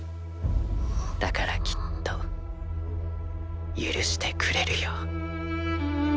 だからきっと許してくれるよ。